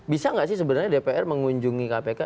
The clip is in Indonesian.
bisa nggak sih sebenarnya dpr mengunjungi kpk